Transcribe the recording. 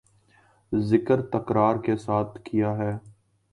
ذکر تکرار کے ساتھ کیا ہے